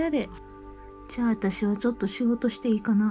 じゃあ私はちょっと仕事していいかな？